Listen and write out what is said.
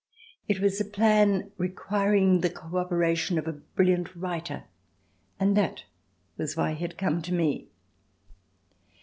It was a plan requiring the co operation of a brilliant writer and that was why he had come to me.